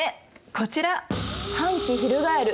こちら。